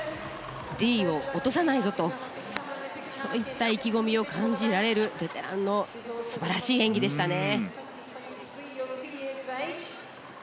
Ｄを落とさないぞという意気込みを感じられるベテランの素晴らしい演技でしたね。